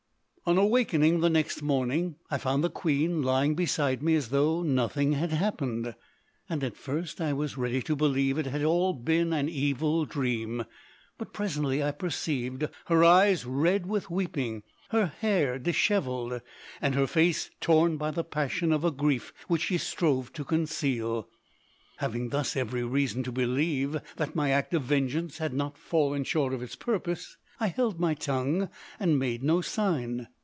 "On awaking the next morning I found the queen lying beside me as though nothing had happened, and at first I was ready to believe it had all been an evil dream; but presently I perceived her eyes red with weeping, her hair dishevelled, and her face torn by the passion of a grief which she strove to conceal. Having thus every reason to believe that my act of vengeance had not fallen short of its purpose, I held my tongue and made no sign.